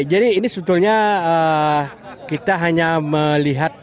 jadi ini sebetulnya kita hanya melihat